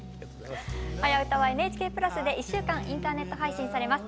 「はやウタ」はＮＨＫプラスで１週間インターネット配信されます。